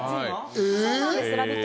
「ラヴィット！」